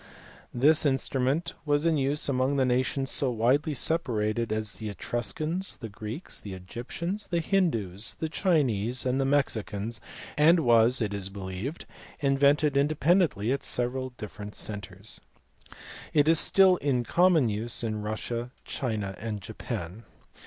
This in strument was in use among nations so widely separated as the Etruscans, Greeks, Egyptians, Hindoos, Chinese, and Mexicans; , and was, it is believed, invented independently at several different centres. It is still in common use in Russia, China, and Japan.